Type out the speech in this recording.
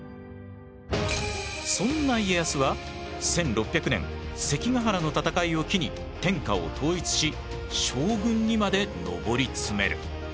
そんな家康は１６００年関ヶ原の戦いを機に天下を統一し将軍にまで上り詰める。